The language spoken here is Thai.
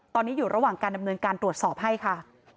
ตอนนี้อยู่ระหว่างการดำเนินการตรวจสอบให้ค่ะ